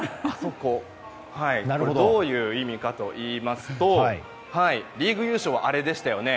これはどういう意味かといいますとリーグ優勝はアレでしたよね。